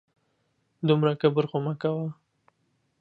دومره کبر خو مه کوه